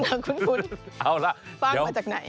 เอาล่ะเดี๋ยวฟังมาจากไหน